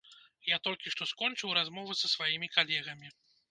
Я толькі што скончыў размову са сваімі калегамі.